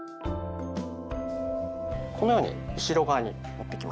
このように後ろ側に持ってきます。